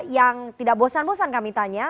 yang tidak bosan bosan kami tanya